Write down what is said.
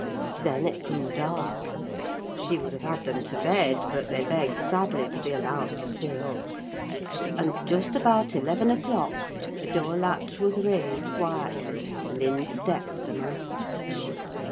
Then it grew dark; she would have had them to bed, but they begged sadly to be allowed to stay up; and, just about eleven o'clock, the door latch was raised quietly, and in stepped the master.